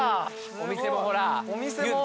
お店もほらっ！